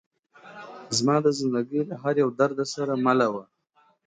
• زما د زنده گۍ له هر يو درده سره مله وه.